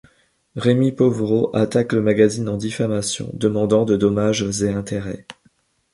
Rémi Pauvros attaque le magazine en diffamation, demandant de dommages et intérêts.